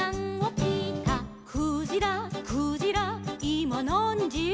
「クジラクジラいまなんじ」